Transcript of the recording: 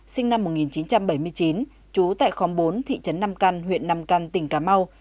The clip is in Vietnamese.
sinh năm một nghìn chín trăm bảy mươi chín trú tại khóm bốn thị trấn nam căn huyện nam căn tỉnh cà mau